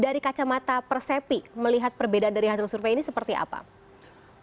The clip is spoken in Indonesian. dari kacamata persepi melihat perbedaan dari hasil survei ini seperti apa